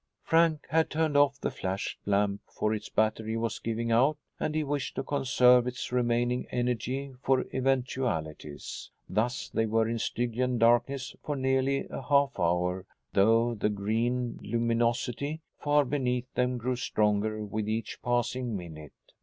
Frank had turned off the flashlamp, for its battery was giving out and he wished to conserve its remaining energy for eventualities. Thus they were in Stygian darkness for nearly a half hour, though the green luminosity far beneath them grew stronger with each passing minute.